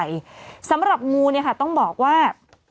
ให้ลูกปลอดภัยสำหรับงูเนี่ยค่ะต้องบอกว่า